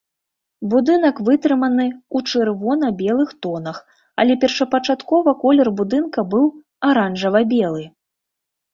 Будынак вытрыманы ў чырвона-белых тонах, але першапачаткова колер будынка быў аранжава-белы.